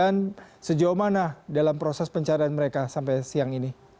dan sejauh mana dalam proses pencarian mereka sampai siang ini